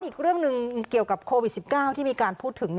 อีกเรื่องหนึ่งเกี่ยวกับโควิด๑๙ที่มีการพูดถึง